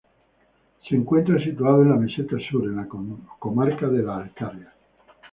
Se encuentra situado en la Meseta Sur, en la comarca de La Alcarria.